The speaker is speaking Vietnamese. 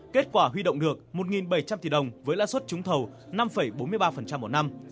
kết quả huy động được một bảy trăm linh tỷ đồng với lãi suất trúng thầu năm bốn mươi ba một năm